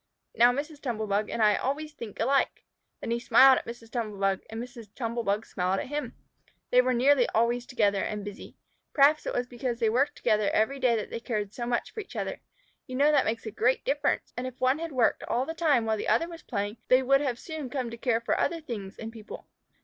Now Mrs. Tumble bug and I always think alike." Then he smiled at Mrs. Tumble bug and Mrs. Tumble bug smiled at him. They were nearly always together and busy. Perhaps it was because they worked together every day that they cared so much for each other. You know that makes a great difference, and if one had worked all the time while the other was playing, they would soon have come to care for other things and people.